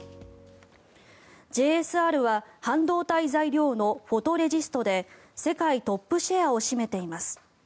ＪＳＲは半導体材料のフォトレジストで世界トップシェアを占めています。